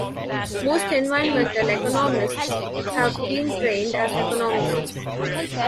Most environmental economists have been trained as economists.